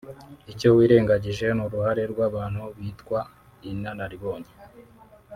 Icyo wirengangije n’uruhare rw’abantu bitwa (inararibonye